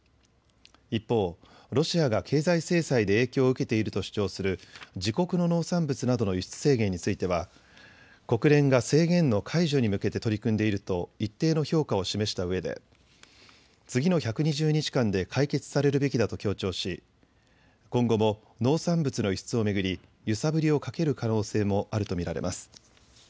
一方、ロシアが経済制裁で影響を受けていると主張する自国の農産物などの輸出制限については国連が制限の解除に向けて取り組んでいると一定の評価を示したうえで次の１２０日間で解決されるべきだと強調し今後も農産物の輸出を巡り揺さぶりをかける可能性もあると見られます。